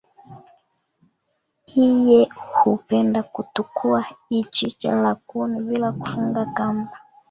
Iye hupenda kutukua ichicha lakuni bila kufunga kamba.